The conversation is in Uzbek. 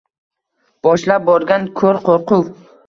Boshlab borgan ko’r qo’rquv.